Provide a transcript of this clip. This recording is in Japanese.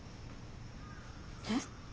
えっ？